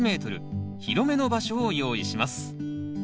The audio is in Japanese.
広めの場所を用意します。